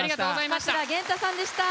桂源太さんでした！